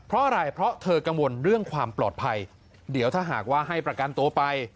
เพราะอะไรเพราะเธอกังวลเรื่องความปลอดภัยเดี๋ยวถ้าหากว่าให้ประกันตัวไป